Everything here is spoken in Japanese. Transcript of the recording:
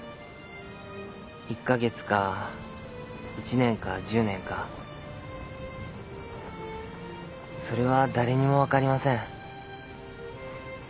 １か月か１年か１０年かそれは誰にも分かりません。